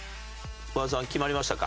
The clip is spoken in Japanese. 和田さん決まりましたか？